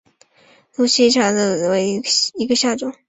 鄂西茶藨子为虎耳草科茶藨子属下的一个种。